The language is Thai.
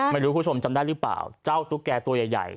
ไม่รู้คุณผู้ชมจำได้หรือเปล่าเจ้าตุ๊กแก่ตัวใหญ่